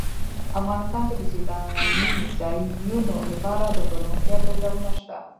افغانستان کې د سیلانی ځایونه لپاره دپرمختیا پروګرامونه شته.